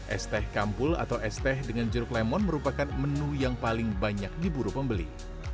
esteh kampul atau esteh dengan jeruk lemon merupakan menu yang paling banyak di buro pembeli